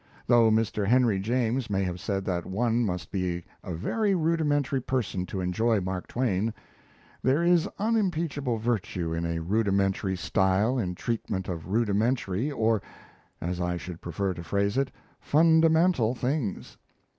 Though Mr. Henry James may have said that one must be a very rudimentary person to enjoy Mark Twain, there is unimpeachable virtue in a rudimentary style in treatment of rudimentary or, as I should prefer to phrase it, fundamental things.